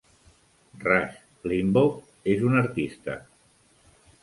Rush Limbaugh és un artista.